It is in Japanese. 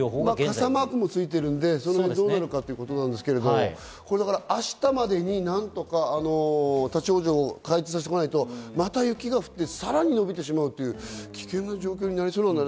傘マークもついているんで、どうなるかということですけど明日までに何とか立ち往生、開通させておかないと、また雪が降って、さらに危険な状況になりそうなんだね。